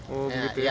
oh begitu ya